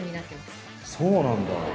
そうなんだ。